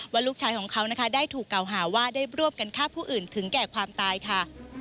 ลูกชายของเขานะคะได้ถูกเก่าหาว่าได้ร่วมกันฆ่าผู้อื่นถึงแก่ความตายค่ะ